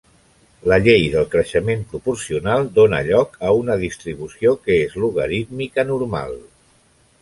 La llei del creixement proporcional dona lloc a una distribució que és logarítmica normal.